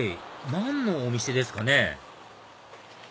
何のお店ですかね？